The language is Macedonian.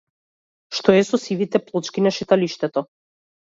Што е со сивите плочки на шеталиштето?